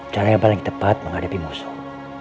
cara yang paling tepat menghadapi musuh